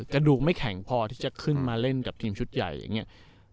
กระดูกไม่แข็งพอที่จะขึ้นมาเล่นกับทีมชุดใหญ่อย่างนี้